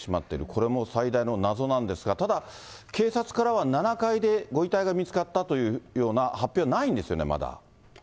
これも最大の謎なんですが、ただ、警察からは７階でご遺体が見つかったというような発表はないんですよね、まだ。